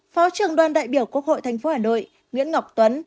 phó trưởng đoàn đại biểu quốc hội thành phố hà nội nguyễn ngọc tuấn